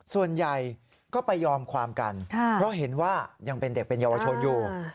ส่วนใหญ่ก็ไปยอมความกันเพราะเห็นว่ายังเป็นเด็กเป็นเยาวชนอยู่